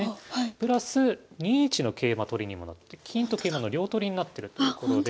プラス２一の桂馬取りにもなって金と桂馬の両取りになってるということで。